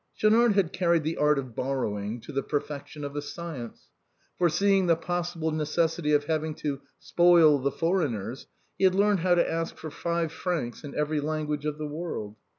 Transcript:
Schaunard had carried the art of borrowing to the per fection of a science. Foreseeing the possible necessity of having to spoil the foreigners, he had learned how to ask for five francs in every language of the world.